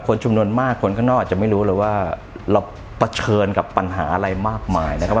จำนวนมากคนข้างนอกจะไม่รู้เลยว่าเราเผชิญกับปัญหาอะไรมากมายนะครับ